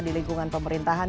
di lingkungan pemerintahan